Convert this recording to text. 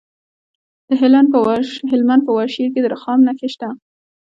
د هلمند په واشیر کې د رخام نښې شته.